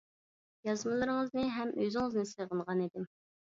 يازمىلىرىڭىزنى ھەم ئۆزىڭىزنى سېغىنغان ئىدىم.